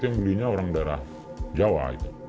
yang belinya orang daerah jawa